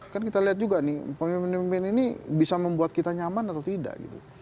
kan kita lihat juga nih pemimpin pemimpin ini bisa membuat kita nyaman atau tidak gitu